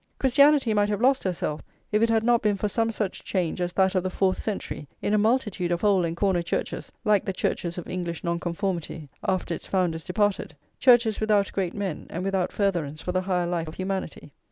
Christianity might have lost herself, if it had not been for some such change as that of the fourth century, in a multitude of hole and corner churches like the churches of English Nonconformity after its founders departed; churches without great men, and without furtherance for the higher life of humanity.